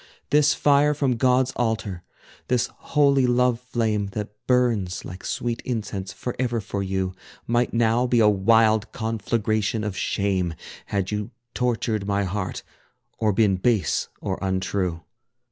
This fire from God's altar, this holy love flame, That burns like sweet incense forever for you, Might now be a wild conflagration of shame, Had you tortured my heart, or been base or untrue.